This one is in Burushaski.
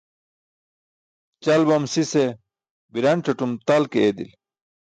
Ćal bam sise biranc̣atum tal ke eedili.